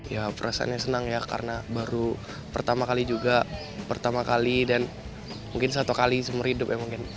ya perasaannya senang ya karena baru pertama kali juga pertama kali dan mungkin satu kali seumur hidup ya mungkin